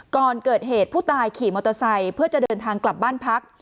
ก่อนเกิดเหตุผู้ตายขี่มอเตอร์ไซค์เพื่อจะเดินทางกลับบ้านพัก